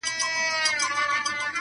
فرشتې زرغونوي سوځلي کلي!!